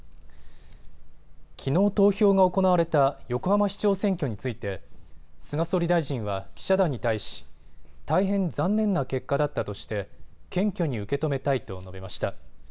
きのう投票が行われた横浜市長選挙について菅総理大臣は記者団に対し大変残念な結果だったとして謙虚に受け止めたいと述べました。